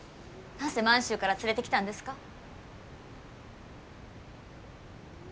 なぜ満洲から連れてきたんですか？